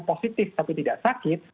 positif tapi tidak sakit